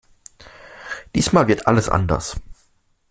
Diesmal wird alles anders!